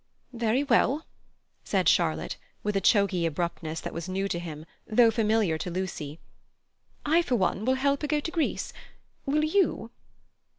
"Very well," said Charlotte, with a choky abruptness that was new to him, though familiar to Lucy. "I for one will help her to go to Greece. Will you?"